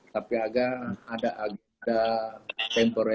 tapi agak ada agenda temporer